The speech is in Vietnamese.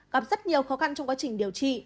gặp rất nhiều khó khăn trong quá trình điều trị